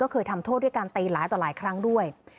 เคยทำโทษด้วยการตีหลายต่อหลายครั้งด้วย